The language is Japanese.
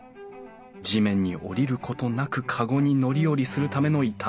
地面に降りることなくかごに乗り降りするための板の間。